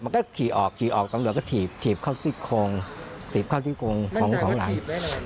มันก็ขี่ออกขี่ออกตำรวจก็ถีบเห็นจากว่าถีบไหมนะ